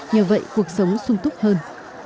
nhờ vậy cuộc sống sung thúc hơn